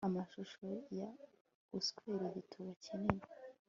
amashusho yo uswera igituba kinini